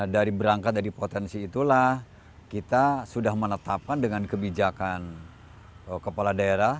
dari berangkat dari potensi itulah kita sudah menetapkan dengan kebijakan kepala daerah